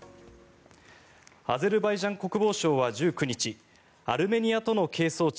アゼルバイジャン国防省は１９日アルメニアとの係争地